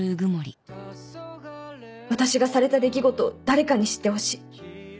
私がされた出来事を誰かに知ってほしい。